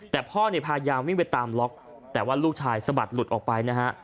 แต่พ่อเนี่ยพยายามวิ่งไปตามล็อกแต่ว่าลูกชายสะบัดหลุดออกไปนะฮะ